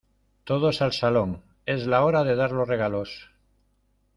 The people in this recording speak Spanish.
Todos al salón. Es la hora de dar los regalos .